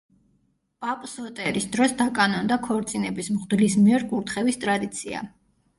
პაპ სოტერის დროს დაკანონდა ქორწინების მღვდლის მიერ კურთხევის ტრადიცია.